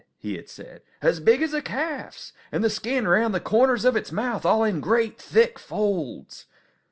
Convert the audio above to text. he had said. "As big as a calf's! And the skin round the corners of its mouth all in great, thick folds!"